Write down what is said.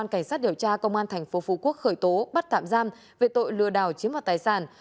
công an cảnh sát điều tra công an tp phú quốc khởi tố bắt tạm giam về tội lừa đảo chiếm mặt tài sản